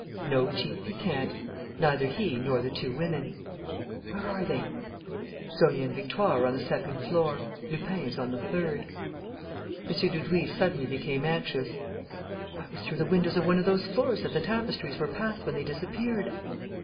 "No, chief, he can't: neither he nor the two women." "Where are they?" "Sonia and Victoire are on the second floor; Lupin is on the third." M. Dudouis suddenly became anxious: "Why, it was through the windows of one of those floors that the tapestries were passed when they disappeared!"